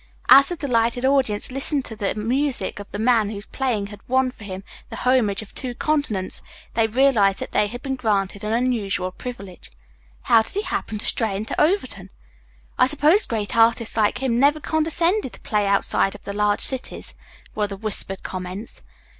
As the delighted audience listened to the music of the man whose playing had won for him the homage of two continents, they realized that they had been granted an unusual privilege. "How did he happen to stray into Overton?" "I supposed great artists like him never condescended to play outside of the large cities," were the whispered comments.